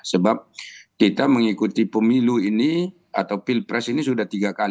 sebab kita mengikuti pemilu ini atau pilpres ini sudah tiga kali